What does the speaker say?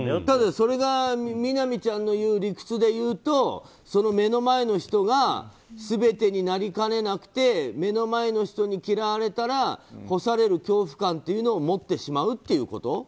ただ、それがみなみちゃんの言う理屈でいうと目の前の人が全てになりかねなくて目の前の人に嫌われたら干される恐怖感というのを持ってしまうということ？